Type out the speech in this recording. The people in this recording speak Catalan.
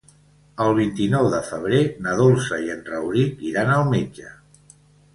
El vint-i-nou de febrer na Dolça i en Rauric iran al metge.